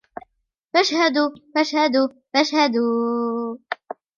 فاشهدوا... فاشهدوا... فاشهدوا...